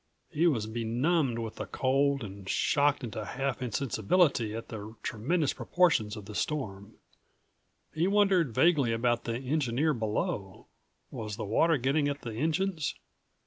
He was benumbed with the cold and shocked into half insensibility at the tremendous proportions of the storm. He wondered vaguely about the engineer below. Was the water getting at the engines?